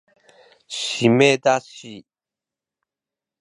しめだし